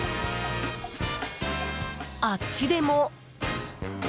あっちでも。